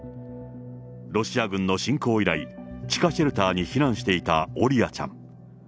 ロシア軍の侵攻以来、地下シェルターに避難していたオリアちゃん。